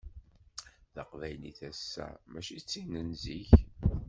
Taqbaylit ass-a mačči d tin n zik.